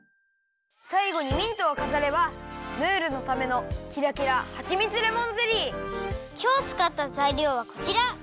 さいごにミントをかざればムールのためのきょうつかったざいりょうはこちら！